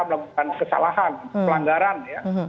lakukan kesalahan pelanggaran ya